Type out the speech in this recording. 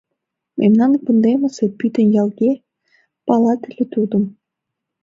Мемнан кундемысе пӱтынь ялге палат ыле тудым.